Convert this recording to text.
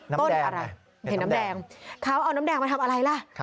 ต้นอะไรเห็นน้ำแดงเขาเอาน้ำแดงมาทำอะไรล่ะ